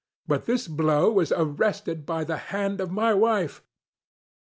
But this blow was arrested by the hand of my wife.